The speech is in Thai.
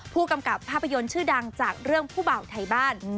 ผู้กำกับภาพยนตร์ชื่อดังจากเรื่องผู้บ่าวไทยบ้าน